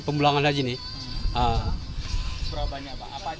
berapa banyak pak apa aja biasanya